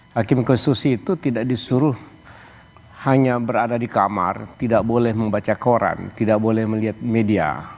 hakim konstitusi itu tidak disuruh hanya berada di kamar tidak boleh membaca koran tidak boleh melihat media